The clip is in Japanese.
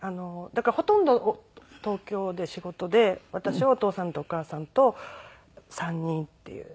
だからほとんど東京で仕事で私はお義父さんとお義母さんと３人っていう。